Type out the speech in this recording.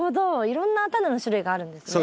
いろんなタネの種類があるんですね。